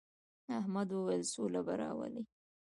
احمد وويل: سوله به راولې.